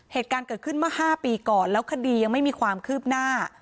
เหตุการณ์เกิดขึ้นเมื่อ๕ปีก่อนแล้วคดียังไม่มีความคืบหน้า